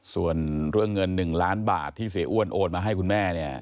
ส่วนเรื่องเงิน๑ล้านบาทที่เสียอ้วนโอนมาให้คุณแม่เนี่ย